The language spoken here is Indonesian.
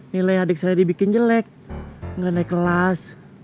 nilai adik saya dibikin jelek nggak naik kelas